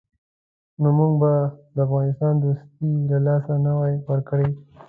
نو موږ به د افغانستان دوستي له لاسه نه وای ورکړې.